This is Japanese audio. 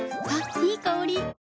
いい香り。